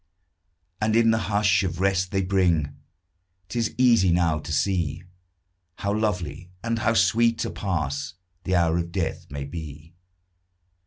And in the bush of rest they bring 'Tis easy now to see How lovely and how sweet a pass The hour of death may be.